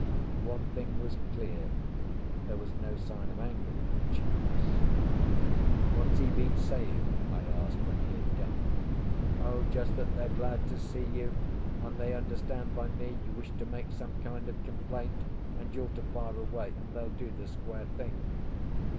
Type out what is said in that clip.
One thing was clear: there was no sign of anger in the chiefs. "What's he been saying?" I asked, when he had done. "O, just that they're glad to see you, and they understand by me you wish to make some kind of complaint, and you're to fire away, and they'll do the square thing."